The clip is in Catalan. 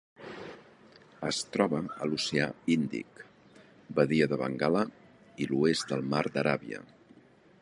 Es troba a l'Oceà Índic: badia de Bengala i l'oest del Mar d'Aràbia.